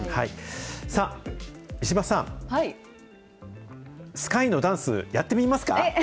さあ、石橋さん、スカイのダンス、やってみますか。